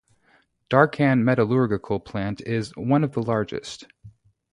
Darkhan Metallurgical Plant is the one of the largest.